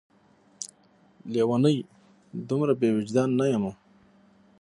لېونۍ! دومره بې وجدان نه یمه